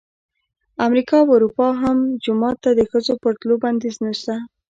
امریکا او اروپا کې هم جومات ته د ښځو پر تلو بندیز نه شته.